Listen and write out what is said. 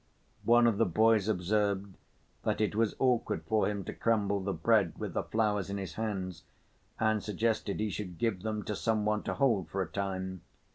One of the boys observed that it was awkward for him to crumble the bread with the flowers in his hands and suggested he should give them to some one to hold for a time.